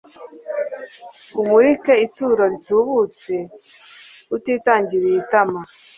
umurike ituro ritubutse, utitangiriye itama